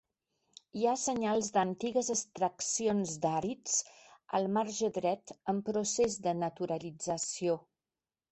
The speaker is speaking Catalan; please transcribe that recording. Hi ha senyals d'antigues extraccions d'àrids al marge dret, en procés de naturalització.